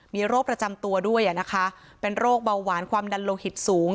มีโรคประจำตัวด้วยนะคะเป็นโรคเบาหวานความดันโลหิตสูง